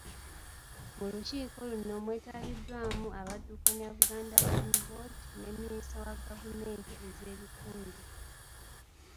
Mu lukiiko luno mwetabiddwaamu abaddukanya Buganda Land Board, ne Minisita wa Gavumenti ez'ebitundu.